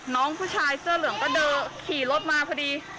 น้องผู้ชายเสื้อเหลืองก็เดินขี่รถมาพอดี